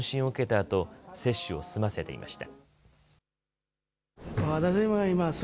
あと接種を済ませていました。